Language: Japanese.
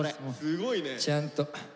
ちゃんと。